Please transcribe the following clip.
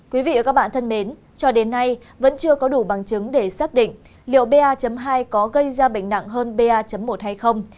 quý vị và các bạn thân mến cho đến nay vẫn chưa có đủ bằng chứng để xác định liệu ba hai có gây ra bệnh nặng hơn ba một hay không